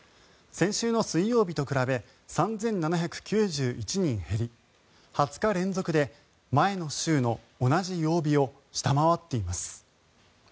先週の水曜日と比べ３７９１人減り２０日連続で前の週の同じ曜日を下回っています。